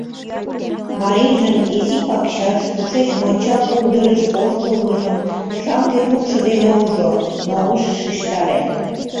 Марийжын изи пакчаш, тушеч монча пулдырыш ошкылмыжым шаҥге тупшо дене ужо, но ыш шижтаре.